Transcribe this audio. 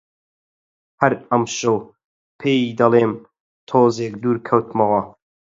هەر ئەمشەو پێی دەڵێم، تۆزێک دوور کەوتمەوە